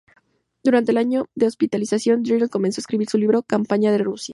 Durante el año de hospitalización, Degrelle comenzó a escribir su libro "Campaña en Rusia".